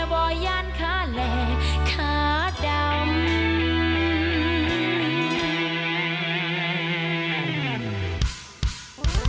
โปรดติดตามตอนต่อไป